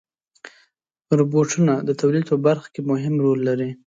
روبوټونه د تولید په برخه کې مهم رول لري.